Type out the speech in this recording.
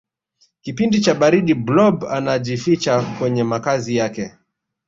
kipindi cha baridi blob anajificha kwenye makazi yake